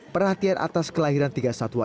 perhatian atas kelahiran tiga satwa